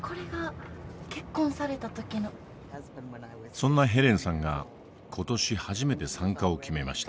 そんなヘレンさんが今年初めて参加を決めました。